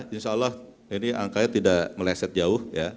insyaallah ini angkanya tidak meleset jauh